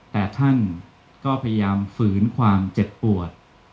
แต่ท่านก็พยายามฝืนความเจ็บปวด